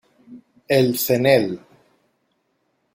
El Cnel.